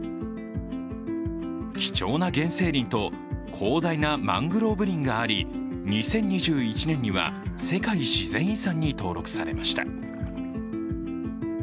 貴重な原生林と広大なマングローブ林があり２０２１年には世界自然遺産に登録されました。